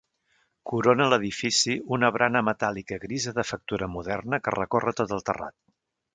Corona l'edifici una barana metàl·lica grisa de factura moderna que recorre tot el terrat.